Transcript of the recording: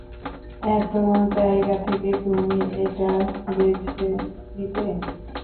এত জায়গা থেকে, তুমি এটা বেছে নিলে?